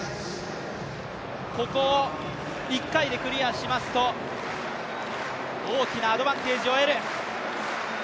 ここを１回でクリアしますと大きなアドバンテージを得る。